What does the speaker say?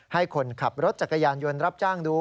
ให้คนขับรถจักรยานยนต์รับจ้างดู